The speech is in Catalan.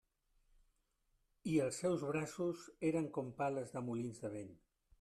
I els seus braços eren com pales de molins de vent.